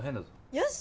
よし！